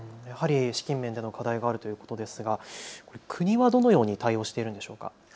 資金面の課題があるということですが国はどのように対応しているんでしょうか。